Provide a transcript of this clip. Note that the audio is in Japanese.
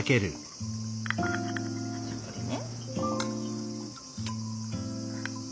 これね。